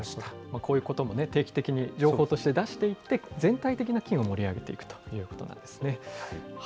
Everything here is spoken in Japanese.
こういうことも定期的にじょうほうとしてだしていって、全体的な機運を盛り上げていくということなんですね。